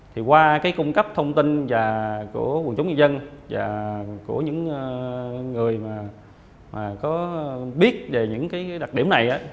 thì qua cái cung cấp thông tin và của quần chúng nhân dân và của những người mà có biết về những cái đặc điểm này